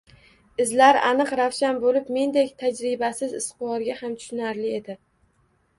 Izlar aniq-ravshan bo`lib, mendek tajribasiz izquvarga ham tushunarli edi